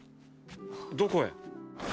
どこへ？